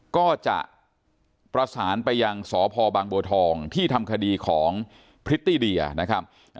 ก็จะประสานไปยังสพบางบัวทองที่ทำคดีของพริตตี้เดียนะครับ